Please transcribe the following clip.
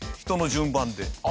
人の順番で。